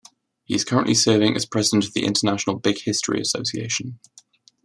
He is currently serving as President of the International Big History Association.